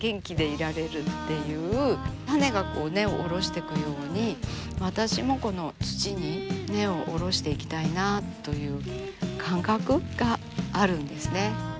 種がこう根を下ろしていくように私もこの土に根を下ろしていきたいなあという感覚があるんですね。